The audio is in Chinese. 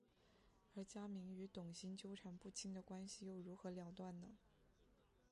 而家明与童昕纠缠不清的关系又如何了断呢？